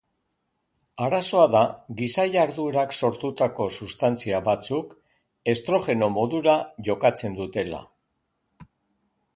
Arazoa da giza jarduerak sortutako substantzia batzuk estrogeno modura jokatzen dutela.